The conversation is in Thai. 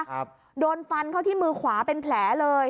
ครับโดนฟันเข้าที่มือขวาเป็นแผลเลย